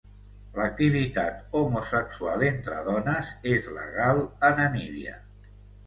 L'activitat homosexual entre dones és legal a Namíbia.